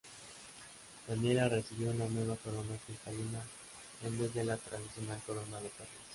Daniela recibió una nueva corona cristalina en vez de la tradicional corona de perlas.